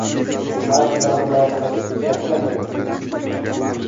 «Xalq bilan muloqot» to‘xtadi...mi?!